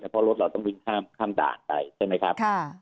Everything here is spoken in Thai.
เพราะรถเราต้องวิ่งข้ามด่านไปใช่ไหมครับ